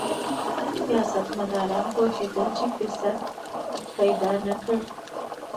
سیاستمداران پوهېدل چې فرصت پیدا نه کړي.